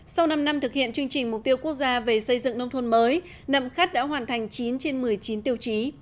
sau năm năm thực hiện chương trình mục tiêu quốc gia về xây dựng nông thôn mới nậm khắt đã hoàn thành chín trên một mươi chín tiêu chí